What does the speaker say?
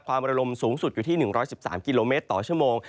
ความระลมสูงสุดอยู่ที่๑๑๓กิโลเมตรต่อชั่วโมง